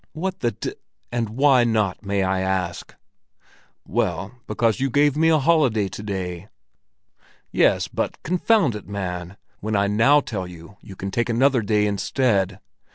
"What the de—— And why not, may I ask?" "Well, because you gave me a holiday to day." "Yes; but, confound it, man, when I now tell you you can take another day instead!"